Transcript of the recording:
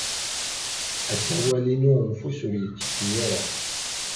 Asawal-inu n ufus ur yetteddu ara.